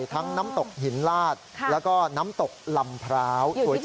ทั้งน้ำตกหินลาดแล้วก็น้ำตกลำพร้าว